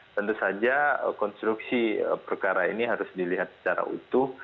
tentu saja konstruksi perkara ini harus dilihat secara utuh